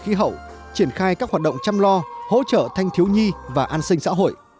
khí hậu triển khai các hoạt động chăm lo hỗ trợ thanh thiếu nhi và an sinh xã hội